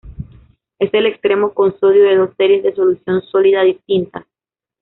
Es el extremo con sodio de dos series de solución sólida distintas.